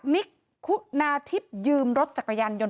นิคนาทิพยืมรถจักรยันยนต์